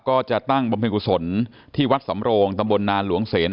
ก็จะตั้งบำเพ็ญกุศลที่วัดสำโรงตำบลนานหลวงเสน